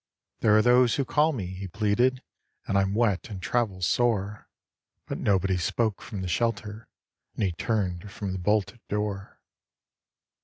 " There are those who call me," he pleaded, " And I'm wet and travel sore." But nobody spoke from the shelter. And he turned from the bolted door.